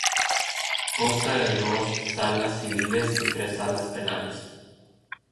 Consta de dos salas civiles y tres salas penales.